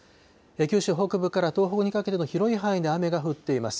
九州北部から東北にかけての広い範囲で雨が降っています。